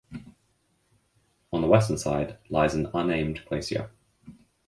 On the western side lies an unnamed glacier.